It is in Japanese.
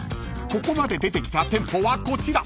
［ここまで出てきた店舗はこちら］